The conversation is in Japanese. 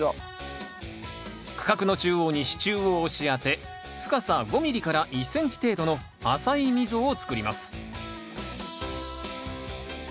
区画の中央に支柱を押し当て深さ５ｍｍ１ｃｍ程度の浅い溝をつくります